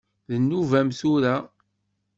D nnuba-m tura?